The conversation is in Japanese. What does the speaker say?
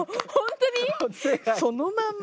そのまんま。